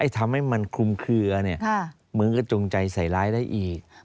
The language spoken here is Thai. ทำให้มันคลุมเคลือมึงก็จงใจใส่ร้ายได้อีก